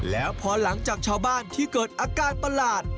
แล้วพอหลังจากชาวบ้านที่เกิดอาการประหลาด